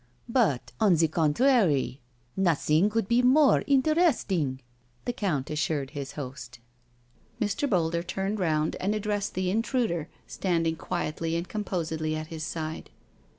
" But, on the contrary — nothing could be more in teresting," the Count assured his host. Mr. Boulder turned round and addressed the in truder standing quietly and composedly at his side.